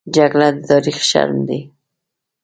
جګړه د تاریخ شرم ده